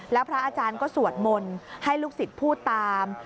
แล้วพระอาจารย์ก็สวดมนต์ให้ลูกศิษย์พูดตาม